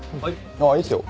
あぁいいっすよ